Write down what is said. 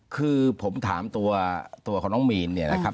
คือผมถามตัวของน้องมีนเนี่ยนะครับ